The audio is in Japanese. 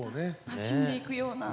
なじんでいくような。